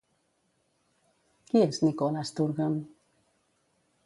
Qui és Nicola Sturgeon?